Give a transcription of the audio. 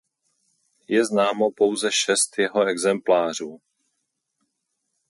Je známo pouze šest jeho exemplářů.